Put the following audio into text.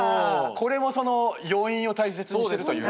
これもその余韻を大切にしてるというか。